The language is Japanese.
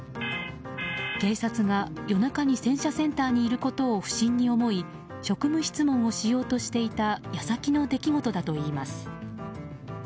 警察が夜中に洗車センターにいることを不審に思い職務質問をしようとしていた矢先の出来事だといいます。